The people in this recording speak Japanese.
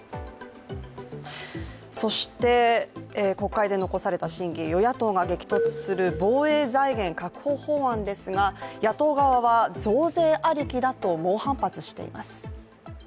そして国会で残された審議与野党が激突する防衛財源確保法案ですが野党側は増税ありきだと猛反発しています。